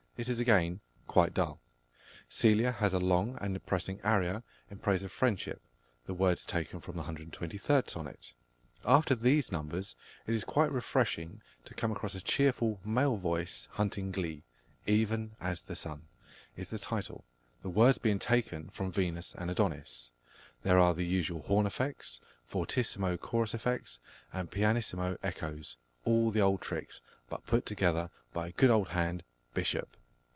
It is again quite dull. Celia has a long and depressing aria in praise of friendship, the words taken from the 123rd Sonnet. After these numbers it is quite refreshing to come across a cheerful male voice hunting glee "Even as the sun" is the title the words being taken from Venus and Adonis. There are the usual horn effects, fortissimo chorus effects, and pianissimo echoes, all the old tricks, but put together by a good old hand, Bishop.